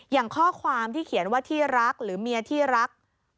อย่างข้อความที่เขียนว่าที่รักหรือเมียที่รัก